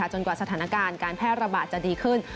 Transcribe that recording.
กว่าสถานการณ์การแพร่ระบาดจะดีขึ้น